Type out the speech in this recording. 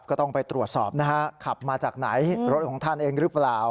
ก็ต้องไปตรวจสอบนะฮะขับมาจากไหนรถของท่านเองหรือเปล่า